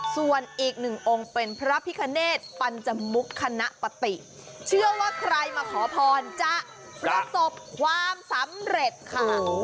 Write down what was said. ส่วนอีกหนึ่งองค์เป็นพระพิคเนธปัญจมุกคณะปฏิเชื่อว่าใครมาขอพรจะประสบความสำเร็จค่ะ